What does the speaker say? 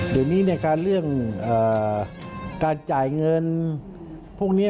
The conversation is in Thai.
เดี๋ยวนี้เรื่องการจ่ายเงินพวกนี้